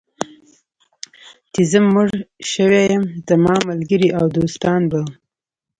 چې زه مړ شوی یم، زما ملګري او دوستان به.